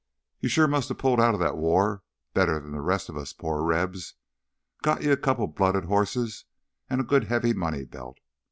"You sure musta pulled outta th' war better'n th' rest of us poor Rebs. Got you a couple of blooded hosses an' a good heavy money belt.